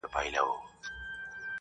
شوخي نشته